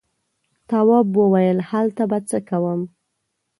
تواب وويل: هلته به څه کوم.